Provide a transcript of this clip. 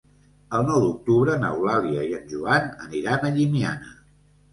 El nou d'octubre n'Eulàlia i en Joan aniran a Llimiana.